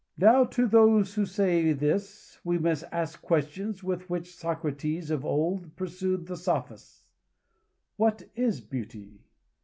Now, to those who say this we must ask the question with which Socrates of old pursued the sophist: What is beauty?